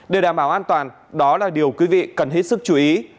để đảm bảo an toàn đó là điều quý vị cần hết sức chú ý